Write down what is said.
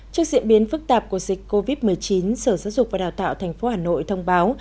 trước diễn biến phức tạp của dịch covid một mươi chín sở giáo dục và đào tạo tp hà nội thông báo